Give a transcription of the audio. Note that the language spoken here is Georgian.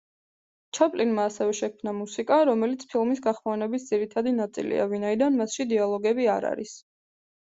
ჩაპლინმა ასევე შექმნა მუსიკა, რომელიც ფილმის გახმოვანების ძირითადი ნაწილია, ვინაიდან მასში დიალოგები არ არის.